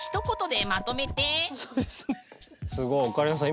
すごいオカリナさん